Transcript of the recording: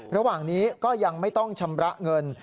ระหว่างนี้ก็ยังไม่ต้องชำระเงิน